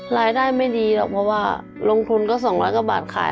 รายได้ไม่ดีหรอกเพราะว่าลงทุนก็๒๐๐กว่าบาทขาย